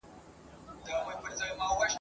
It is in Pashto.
سبا اختر دی خو د چا اختر دی !.